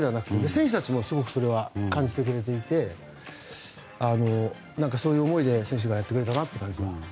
選手たちもすごくそれは感じてくれていてそういう思いで選手がやってくれたなという気がします。